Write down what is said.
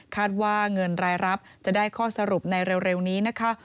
ว่าเงินรายรับจะได้ข้อสรุปในเร็วนี้นะคะ